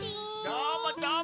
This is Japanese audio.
どーもどーも！